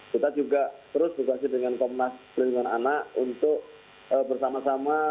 kita juga terus bekerja dengan komnas perlindungan anak untuk bersama sama